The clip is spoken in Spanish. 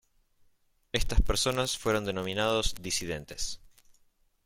Estas personas fueron denominados disidentes.